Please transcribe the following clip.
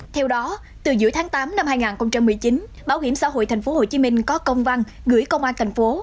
theo đó từ giữa tháng tám năm hai nghìn một mươi chín bảo hiểm xã hội tp hcm có công văn gửi công an thành phố